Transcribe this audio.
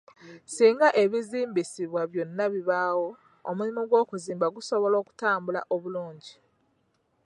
Singa ebizimbisibwa byonna bibaawo, omulimu gw'okuzimba gusobola okutambula obulungi.